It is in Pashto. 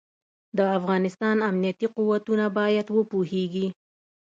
د افغانستان امنيتي قوتونه بايد وپوهېږي.